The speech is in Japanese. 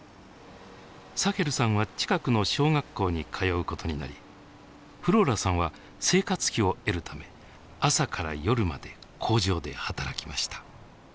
サヘルさんは近くの小学校に通うことになりフローラさんは生活費を得るため朝から夜まで工場で働きました。